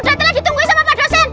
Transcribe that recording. udah telah ditungguin sama pak dosen